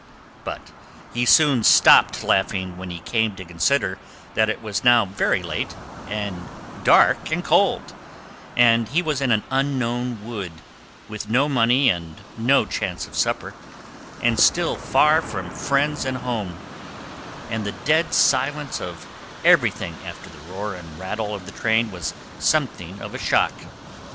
But he soon stopped laughing when he came to consider that it was now very late and dark and cold, and he was in an unknown wood, with no money and no chance of supper, and still far from friends and home; and the dead silence of everything, after the roar and rattle of the train, was something of a shock.